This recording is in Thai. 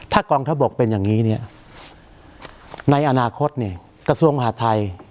ถ้ากองทัพบกเป็นอย่างนี้เนี่ยในอนาคตเนี่ยกระทรวงมหาดไทย